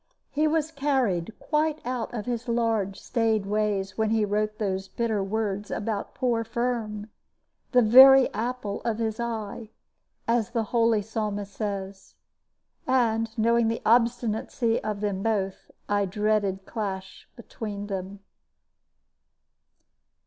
He was carried quite out of his large, staid ways when he wrote those bitter words about poor Firm the very apple of his eye, as the holy Psalmist says. And, knowing the obstinacy of them both, I dreaded clash between them.